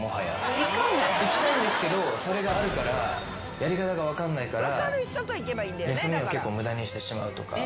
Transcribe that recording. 行きたいんですけどそれがあるからやり方が分かんないから休みを結構無駄にしてしまうとか。